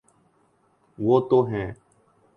وہ تو ہیں۔